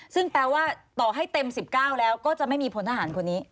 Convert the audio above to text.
ซึ่งแปลว่าต่อให้เต็ม๑๙แล้วก็จะไม่มีพลทหารคนนี้